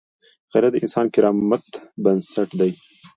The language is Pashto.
غیرت د انساني کرامت بنسټ دی